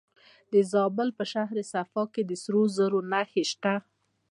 د زابل په شهر صفا کې د سرو زرو نښې شته.